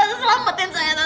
tante selamatin saya tante